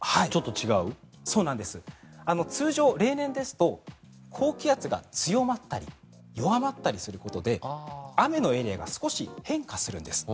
通常、例年ですと高気圧が強まったり弱まったりすることで雨のエリアが少し変化するんです。